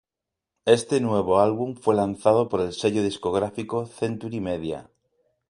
Este nuevo álbum fue lanzado por el sello discográfico Century Media.